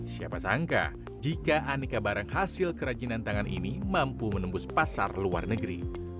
siapa sangka jika aneka barang hasil kerajinan tangan ini mampu menembus pasar luar negeri